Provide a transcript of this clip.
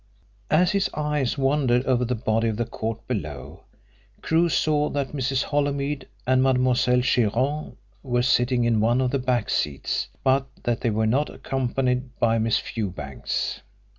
As his eyes wandered over the body of the court below, Crewe saw that Mrs. Holymead and Mademoiselle Chiron were sitting in one of the back seats, but that they were not accompanied by Miss Fewbanks.